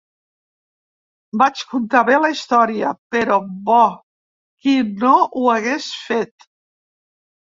Vaig contar bé la història, però bo, qui no ho hagués fet.